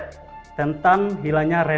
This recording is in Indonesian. masih belum mengalami masalah keluarga